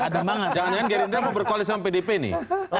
jangan jangan gerindra mau berkualisasi pdip nih